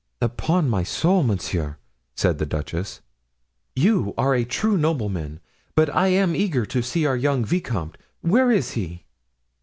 "Upon my soul, monsieur," said the duchess, "you are a true nobleman! But I am eager to see our young vicomte. Where is he?"